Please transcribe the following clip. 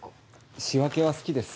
仕分けは好きです。